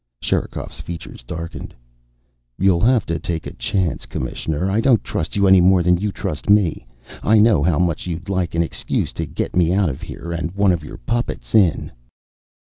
Sherikov's features darkened. "You'll have to take a chance, Commissioner. I don't trust you any more than you trust me. I know how much you'd like an excuse to get me out of here and one of your puppets in."